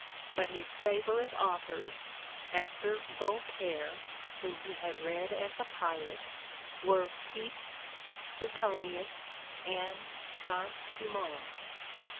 But his favorite authors — after Voltaire, whom he had read as a pilot — were Pepys, Seutonius and Saint Simon.